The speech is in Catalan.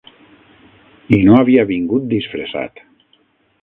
I no havia vingut disfressat.